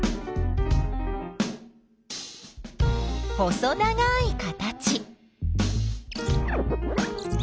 細長い形。